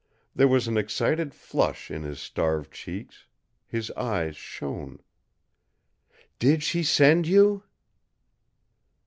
There was an excited flush in his starved cheeks; his eyes shone. "Did she send you?"